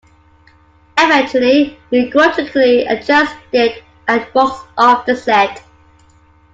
Eventually, he grudgingly adjusts it and walks off the set.